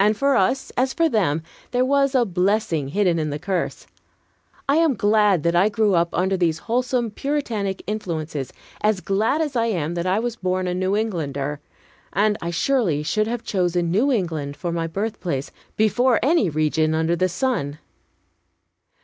And for us, as for them, there was a blessing hidden in the curse. I am glad that I grew up under these wholesome Puritanic influences, as glad as I am that I was born a New Englander; and I surely should have chosen New England for my birthplace before any region under the sun.